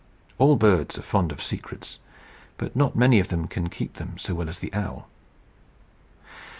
All birds are fond of secrets; but not many of them can keep them so well as the owl.